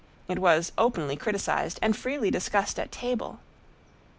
It was openly criticised and freely discussed at table.